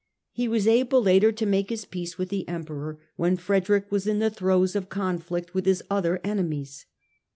He was able later to make his peace with the Emperor, when Frederick was in the throes of conflict with his other enemies.